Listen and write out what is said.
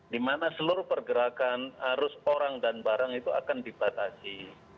di mana seluruh pergerakan arus orang dan barang itu akan dibatasi